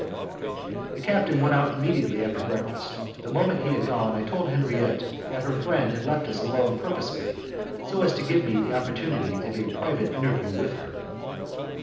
The captain went out immediately after breakfast. The moment he had gone I told Henriette that her friend had left us alone purposely, so as to give me the opportunity of a private interview with her.